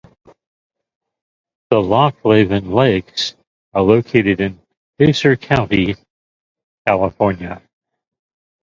The Loch Leven Lakes are located in Placer County, California.